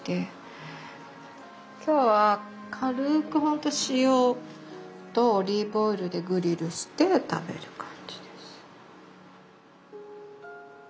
今日は軽くほんと塩とオリーブオイルでグリルして食べる感じです。